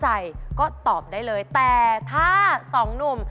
เจอพี่ตลอดเลยจัดไปหน่อย